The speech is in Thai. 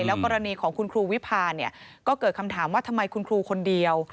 แล้วกรณีของคุณครูวิพาเนี่ยก็เกิดคำถามว่าทำไมคุณครูคนเดียว